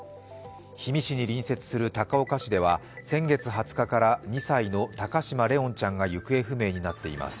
氷見市に隣接する高岡市では先月２０日から２歳の高嶋怜音ちゃんが行方不明になっています。